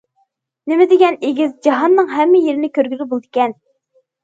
نېمە دېگەن ئېگىز، جاھاننىڭ ھەممە يېرىنى كۆرگىلى بولىدىكەن.